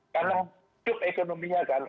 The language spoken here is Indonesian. karena hidup ekonominya kan